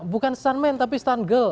bukan stuntman tapi stuntgirl